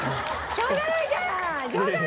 しょうがないじゃん！